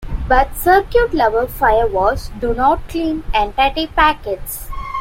But circuit-level firewalls do not clean entity packets.